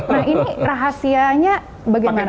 nah ini rahasianya bagaimana